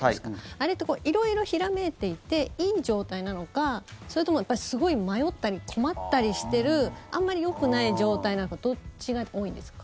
あれって色々ひらめいていていい状態なのかそれともすごい迷ったり困ったりしてるあまりよくない状態なのかどっちが多いんですか？